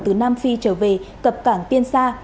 từ nam phi trở về cập cảng tiên sa